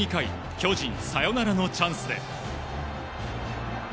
巨人、サヨナラのチャンスで。